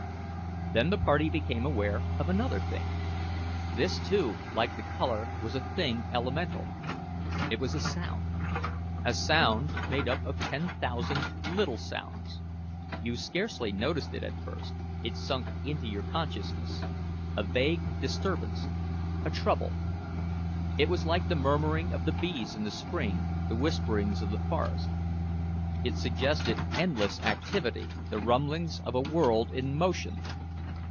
Then the party became aware of another strange thing. This, too, like the color, was a thing elemental; it was a sound, a sound made up of ten thousand little sounds. You scarcely noticed it at first—it sunk into your consciousness, a vague disturbance, a trouble. It was like the murmuring of the bees in the spring, the whisperings of the forest; it suggested endless activity, the rumblings of a world in motion.